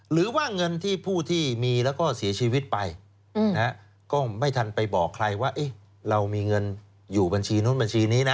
หรือว่าเงินที่ผู้ที่มีแล้วก็เสียชีวิตไปก็ไม่ทันไปบอกใครว่าเรามีเงินอยู่บัญชีนู้นบัญชีนี้นะ